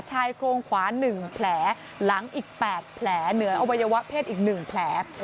ชายโครงขวา๑แผลหลังอีก๘แผลเหนืออวัยวะเพศอีก๑แผล